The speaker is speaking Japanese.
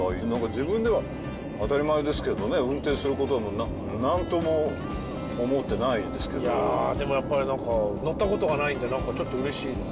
自分では当たり前ですけどね運転することも何とも思ってないんですけどでもやっぱり乗ったことがないんでちょっと嬉しいです